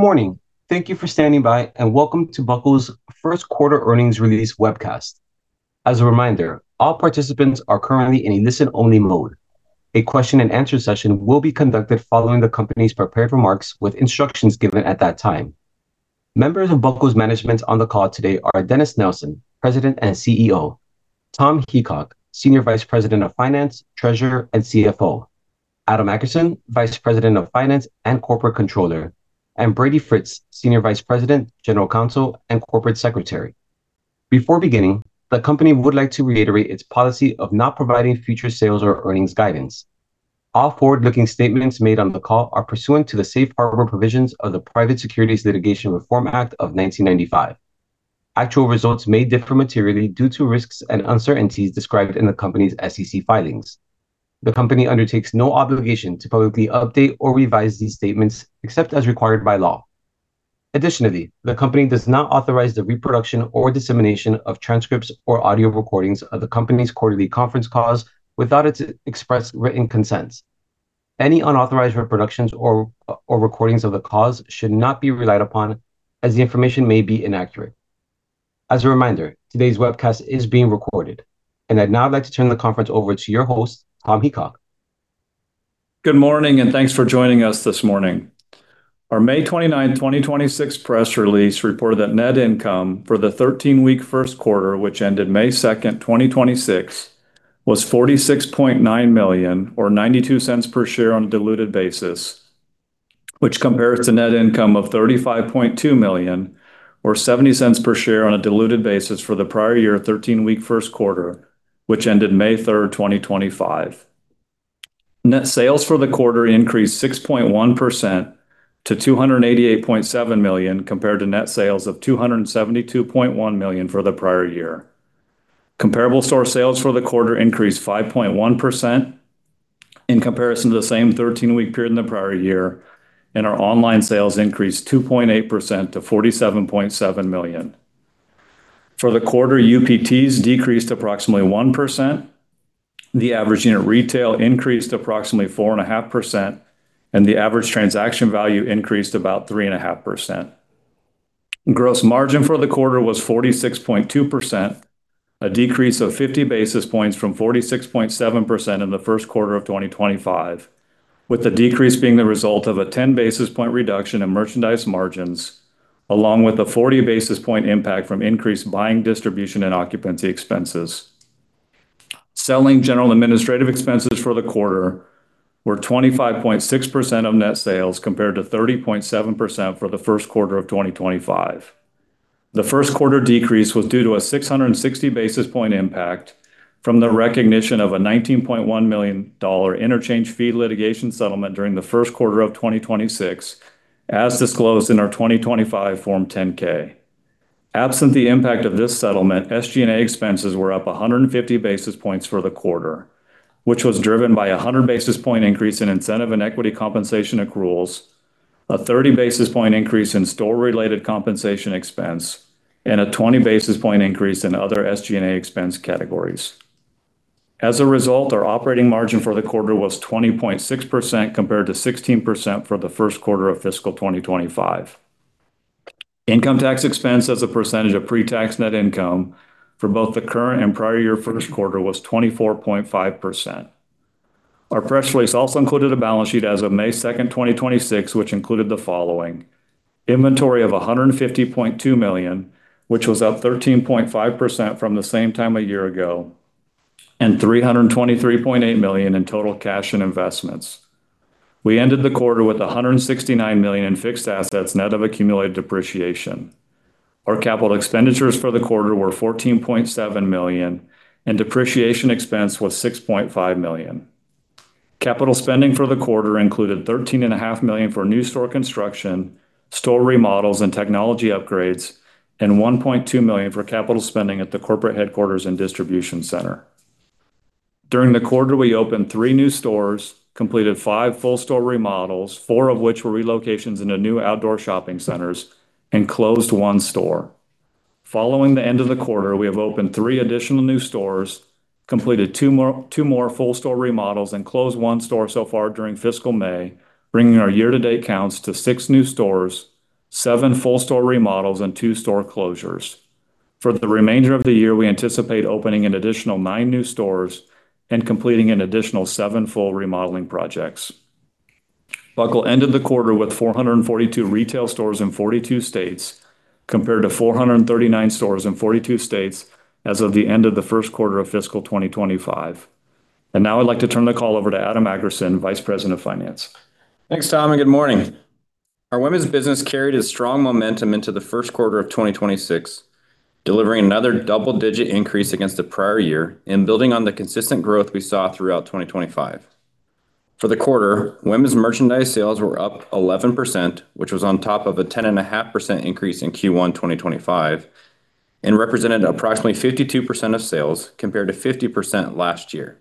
Good morning. Thank you for standing by, and Welcome to Buckle's First Quarter Earnings Release Webcast. As a reminder, all participants are currently in a listen-only mode. A question and answer session will be conducted following the company's prepared remarks, with instructions given at that time. Members of Buckle's management on the call today are Dennis Nelson, President and CEO. Tom Heacock, Senior Vice President of Finance, Treasurer, and CFO. Adam Akerson, Vice President of Finance and Corporate Controller, and Brady Fritz, Senior Vice President, General Counsel, and Corporate Secretary. Before beginning, the company would like to reiterate its policy of not providing future sales or earnings guidance. All forward-looking statements made on the call are pursuant to the safe harbor provisions of the Private Securities Litigation Reform Act of 1995. Actual results may differ materially due to risks and uncertainties described in the company's SEC filings. The company undertakes no obligation to publicly update or revise these statements except as required by law. Additionally, the company does not authorize the reproduction or dissemination of transcripts or audio recordings of the company's quarterly conference calls without its express written consent. Any unauthorized reproductions or recordings of the calls should not be relied upon as the information may be inaccurate. As a reminder, today's webcast is being recorded. I'd now like to turn the conference over to your host, Tom Heacock. Good morning, and thanks for joining us this morning. Our May 29, 2026 press release reported that net income for the 13-week first quarter, which ended May 2, 2026, was $46.9 million, or $0.92 per share on a diluted basis. Which compares to net income of $35.2 million or $0.70 per share on a diluted basis for the prior year 13-week first quarter, which ended May 3, 2025. Net sales for the quarter increased 6.1% to $288.7 million, compared to net sales of $272.1 million for the prior year. Comparable store sales for the quarter increased 5.1% in comparison to the same 13-week period in the prior year, and our online sales increased 2.8% to $47.7 million. For the quarter, UPTs decreased approximately 1%. The average unit retail increased approximately 4.5%, and the average transaction value increased about 3.5%. Gross margin for the quarter was 46.2%, a decrease of 50 basis points from 46.7% in the first quarter of 2025, with the decrease being the result of a 10 basis point reduction in merchandise margins, along with a 40 basis point impact from increased buying, distribution, and occupancy expenses. Selling general administrative expenses for the quarter were 25.6% of net sales, compared to 30.7% for the first quarter of 2025. The first quarter decrease was due to a 660 basis point impact from the recognition of a $19.1 million interchange fee litigation settlement during the first quarter of 2026, as disclosed in our 2025 Form 10-K. Absent the impact of this settlement, SG&A expenses were up 150 basis points for the quarter, which was driven by a 100 basis point increase in incentive and equity compensation accruals, a 30 basis point increase in store-related compensation expense, and a 20 basis point increase in other SG&A expense categories. As a result, our operating margin for the quarter was 20.6%, compared to 16% for the first quarter of fiscal 2025. Income tax expense as a percentage of pre-tax net income for both the current and prior year first quarter was 24.5%. Our press release also included a balance sheet as of May 2nd, 2026, which included the following: inventory of $150.2 million, which was up 13.5% from the same time a year ago, and $323.8 million in total cash and investments. We ended the quarter with $169 million in fixed assets, net of accumulated depreciation. Our capital expenditures for the quarter were $14.7 million, and depreciation expense was $6.5 million. Capital spending for the quarter included $13.5 million for new store construction, store remodels, and technology upgrades, and $1.2 million for capital spending at the corporate headquarters and distribution center. During the quarter, we opened three new stores, completed five full-store remodels, four of which were relocations into new outdoor shopping centers, and closed one store. Following the end of the quarter, we have opened three additional new stores, completed two more full-store remodels, and closed one store so far during fiscal May, bringing our year-to-date counts to six new stores, seven full-store remodels, and two store closures. For the remainder of the year, we anticipate opening an additional nine new stores and completing an additional seven full remodeling projects. Buckle ended the quarter with 442 retail stores in 42 states, compared to 439 stores in 42 states as of the end of the first quarter of fiscal 2025. Now I'd like to turn the call over to Adam Akerson, Vice President of Finance. Thanks, Tom, and good morning. Our women's business carried a strong momentum into the first quarter of 2026, delivering another double-digit increase against the prior year and building on the consistent growth we saw throughout 2025. For the quarter, women's merchandise sales were up 11%, which was on top of a 10.5% increase in Q1 2025 and represented approximately 52% of sales, compared to 50% last year.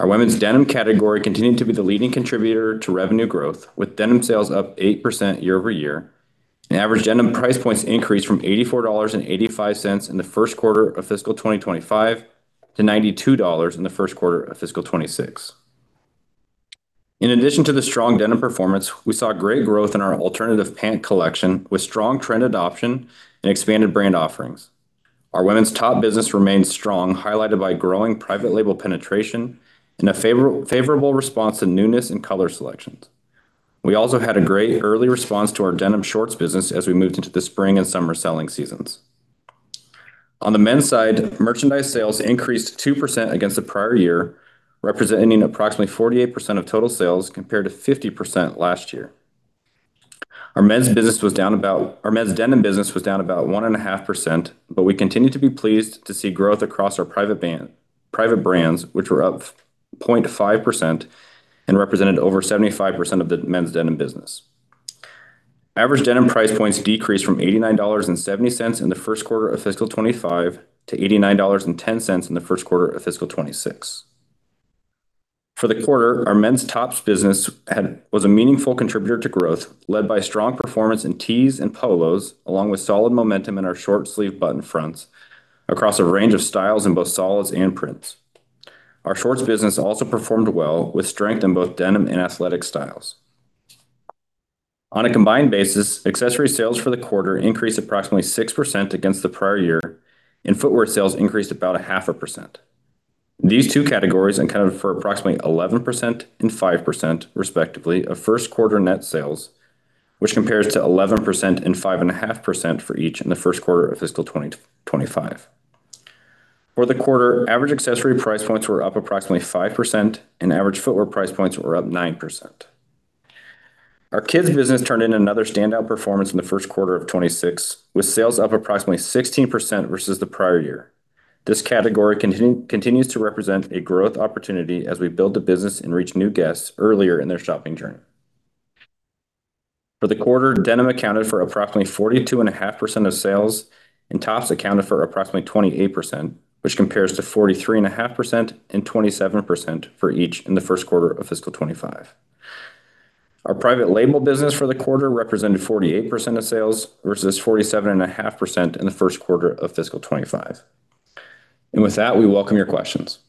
Our women's denim category continued to be the leading contributor to revenue growth, with denim sales up 8% year-over-year. Average denim price points increased from $84.85 in the first quarter of fiscal 2025 to $92 in the first quarter of fiscal 2026. In addition to the strong denim performance, we saw great growth in our alternative pant collection, with strong trend adoption and expanded brand offerings. Our women's top business remains strong, highlighted by growing private label penetration and a favorable response to newness in color selections. We also had a great early response to our denim shorts business as we moved into the spring and summer selling seasons. On the men's side, merchandise sales increased 2% against the prior year, representing approximately 48% of total sales, compared to 50% last year. Our men's denim business was down about 1.5%, but we continue to be pleased to see growth across our private brands, which were up 0.5% and represented over 75% of the men's denim business. Average denim price points decreased from $89.70 in the first quarter of fiscal 2025 to $89.10 in the first quarter of fiscal 2026. For the quarter, our men's tops business was a meaningful contributor to growth, led by strong performance in tees and polos, along with solid momentum in our short sleeve button fronts across a range of styles in both solids and prints. Our shorts business also performed well, with strength in both denim and athletic styles. On a combined basis, accessory sales for the quarter increased approximately 6% against the prior year, and footwear sales increased about a half a percent. These two categories accounted for approximately 11% and 5%, respectively, of first quarter net sales, which compares to 11% and 5.5% for each in the first quarter of fiscal 2025. For the quarter, average accessory price points were up approximately 5%, and average footwear price points were up 9%. Our kids business turned in another standout performance in the first quarter of 2026, with sales up approximately 16% versus the prior year. This category continues to represent a growth opportunity as we build the business and reach new guests earlier in their shopping journey. For the quarter, denim accounted for approximately 42.5% of sales, and tops accounted for approximately 28%, which compares to 43.5% and 27% for each in the first quarter of fiscal 2025. Our private label business for the quarter represented 48% of sales versus 47.5% in the first quarter of fiscal 2025. With that, we welcome your questions.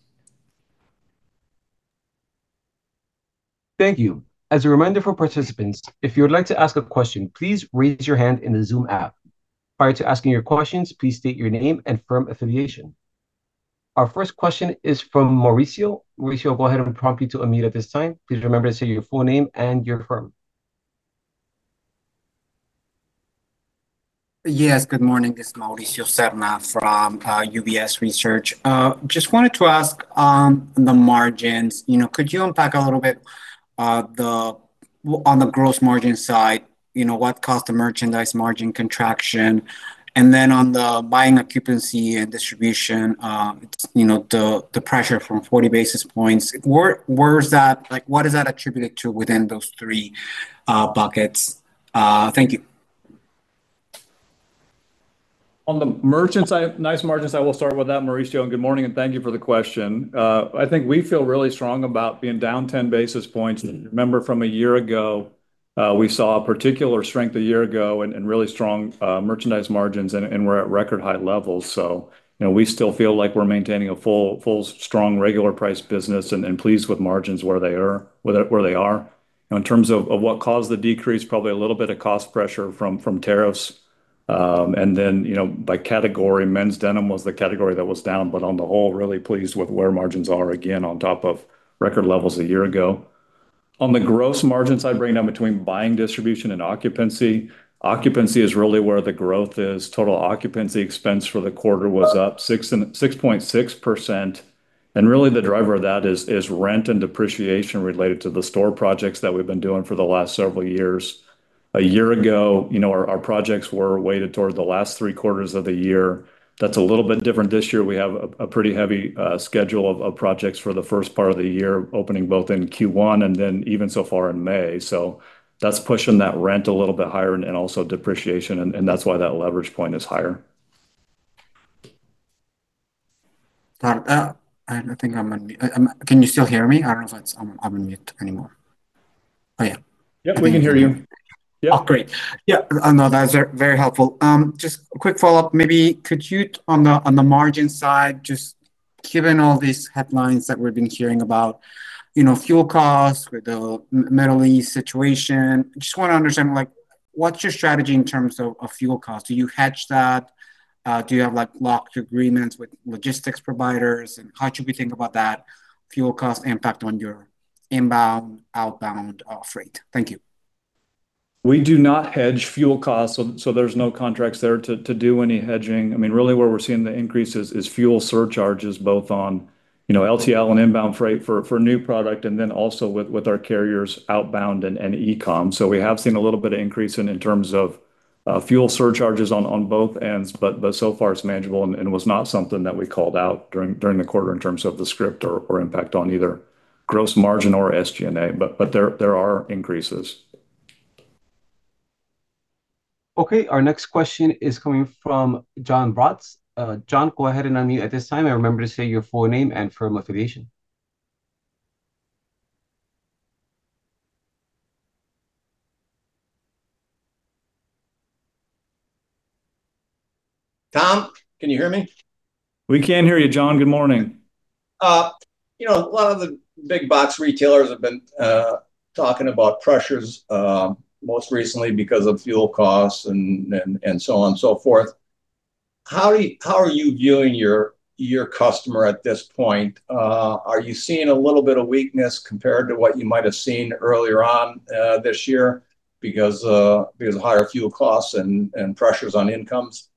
Thank you. As a reminder for participants, if you would like to ask a question, please raise your hand in the Zoom app. Prior to asking your questions, please state your name and firm affiliation. Our first question is from Mauricio. Mauricio, I'll go ahead and prompt you to unmute at this time. Please remember to say your full name and your firm. Yes, good morning. This is Mauricio Serna from UBS Research. Just wanted to ask on the margins. Could you unpack a little bit on the gross margin side, what caused the merchandise margin contraction? Then on the buying occupancy and distribution, the pressure from 40 basis points. What is that attributed to within those three buckets? Thank you. On the merchandise margin side, we'll start with that, Mauricio, and good morning, and thank you for the question. I think we feel really strong about being down 10 basis points. Remember from a year ago, we saw particular strength a year ago and really strong merchandise margins, and we're at record high levels. We still feel like we're maintaining a full, strong regular price business and pleased with margins where they are. In terms of what caused the decrease, probably a little bit of cost pressure from tariffs. By category, men's denim was the category that was down, but on the whole, really pleased with where margins are, again, on top of record levels a year ago. On the gross margin side breakdown between buying distribution and occupancy is really where the growth is. Total occupancy expense for the quarter was up 6.6%, and really the driver of that is rent and depreciation related to the store projects that we've been doing for the last several years. A year ago, our projects were weighted towards the last three quarters of the year. That's a little bit different this year. We have a pretty heavy schedule of projects for the first part of the year, opening both in Q1 and then even so far in May. That's pushing that rent a little bit higher and also depreciation, and that's why that leverage point is higher. I think I'm on mute. Can you still hear me? I don't know if I'm on mute anymore. Oh, yeah. Yep, we can hear you. Yep. Oh, great. Yeah, no. That's very helpful. Just a quick follow-up, maybe could you, on the margin side, just given all these headlines that we've been hearing about fuel costs with the Middle East situation, just want to understand what's your strategy in terms of fuel cost? Do you hedge that? Do you have locked agreements with logistics providers? How should we think about that fuel cost impact on your inbound, outbound freight? Thank you. We do not hedge fuel costs, so there's no contracts there to do any hedging. Really where we're seeing the increase is fuel surcharges, both on LTL and inbound freight for new product and then also with our carriers outbound and e-com. We have seen a little bit of increase in terms of fuel surcharges on both ends, but so far it's manageable and was not something that we called out during the quarter in terms of the script or impact on either gross margin or SG&A, but there are increases. Okay, our next question is coming from John Rotz. John, go ahead and unmute at this time and remember to say your full name and firm affiliation. Tom, can you hear me? We can hear you, John. Good morning. A lot of the big box retailers have been talking about pressures, most recently because of fuel costs and so on and so forth. How are you viewing your customer at this point? Are you seeing a little bit of weakness compared to what you might have seen earlier on this year because of higher fuel costs and pressures on incomes?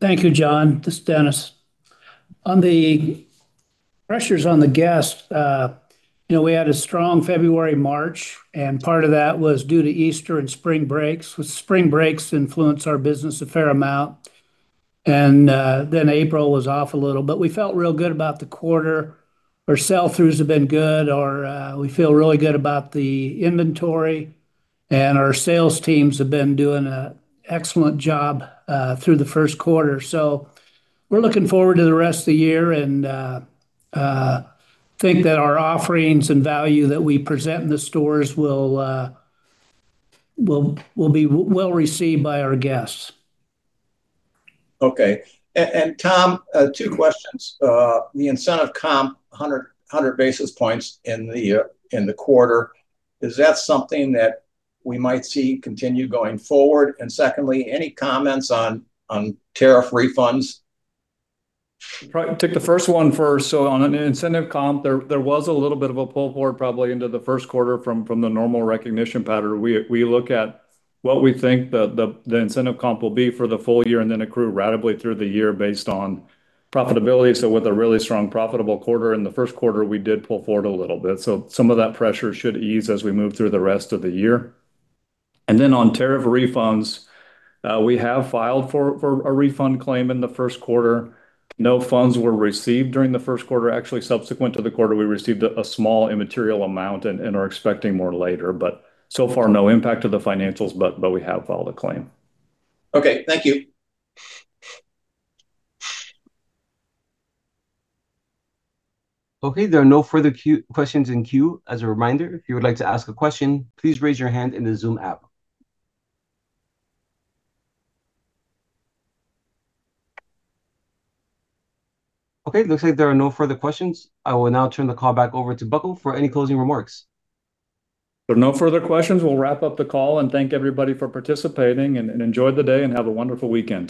Thank you, John. This is Dennis. On the pressures on the guest, we had a strong February, March, and part of that was due to Easter and spring breaks, with spring breaks influence our business a fair amount. April was off a little, but we felt real good about the quarter. Our sell-throughs have been good. We feel really good about the inventory, and our sales teams have been doing an excellent job through the first quarter. We're looking forward to the rest of the year and think that our offerings and value that we present in the stores will be well-received by our guests. Okay. Tom, two questions. The incentive comp, 100 basis points in the quarter, is that something that we might see continue going forward? Secondly, any comments on tariff refunds? On an incentive comp, there was a little bit of a pull forward probably into the first quarter from the normal recognition pattern. We look at what we think the incentive comp will be for the full year and then accrue ratably through the year based on profitability. With a really strong profitable quarter in the first quarter, we did pull forward a little bit. Some of that pressure should ease as we move through the rest of the year. On tariff refunds, we have filed for a refund claim in the first quarter. No funds were received during the first quarter. Actually, subsequent to the quarter, we received a small immaterial amount and are expecting more later. No impact to the financials, but we have filed a claim. Okay. Thank you. Okay, there are no further questions in queue. As a reminder, if you would like to ask a question, please raise your hand in the Zoom app. Okay, looks like there are no further questions. I will now turn the call back over to Buckle for any closing remarks. If there are no further questions, we'll wrap up the call and thank everybody for participating, and enjoy the day and have a wonderful weekend.